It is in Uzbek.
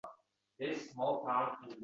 Falakning kaj xislati.